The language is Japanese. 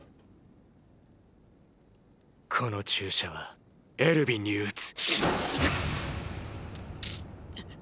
この注射はエルヴィンに打つ。